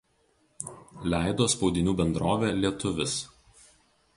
Leido spaudinių bendrovė „Lietuvis“.